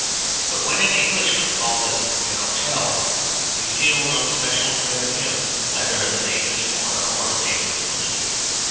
But when an Englishman calls it an hotel, we feel no special dread of him either as a dangerous foreigner or a dangerous lunatic.